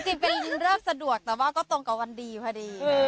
จริงเป็นเลิกสะดวกแต่ว่าก็ตรงกับวันดีพอดี